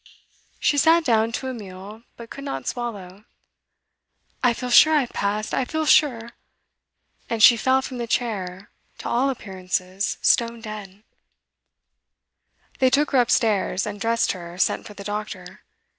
She sat down to a meal, but could not swallow. 'I feel sure I've passed I feel sure ' And she fell from the chair, to all appearances stone dead. They took her upstairs, undressed her, sent for the doctor.